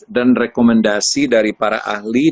dan rekomendasi dari para ahli